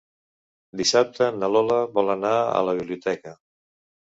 Dissabte na Lola vol anar a la biblioteca.